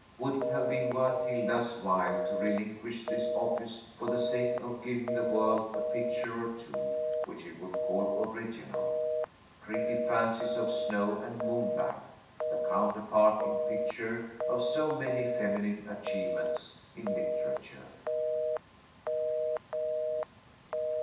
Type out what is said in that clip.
Would it have been worth Hilda's while to relinquish this office for the sake of giving the world a picture or two which it would call original; pretty fancies of snow and moonlight; the counterpart in picture of so many feminine achievements in literature!